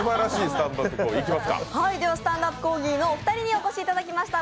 スタンダップコーギーのお二人にお越しいただきました。